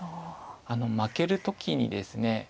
負ける時にですね